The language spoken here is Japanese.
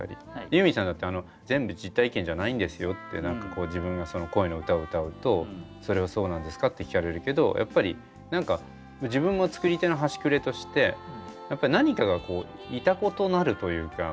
ユーミンさんだって全部実体験じゃないんですよって自分が恋の歌を歌うとそれは「そうなんですか？」って聞かれるけどやっぱり何か自分も作り手の端くれとして何かがイタコとなるというか。